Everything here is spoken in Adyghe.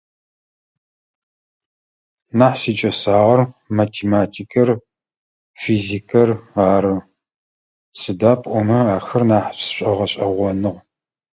Нахь сикӏэсагъэр математикыр, физикыр ары, сыда пӏомэ ахэр нахь сшӏогъэшӏэгъоныгъ.